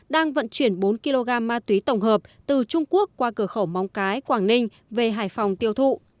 đang vận chuyển bốn kg ma túy tổng hợp từ trung quốc qua cửa khẩu móng cái quảng ninh về hải phòng tiêu thụ